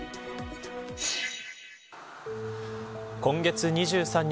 今月２３日